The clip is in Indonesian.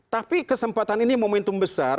tapi kesempatan ini momentum besar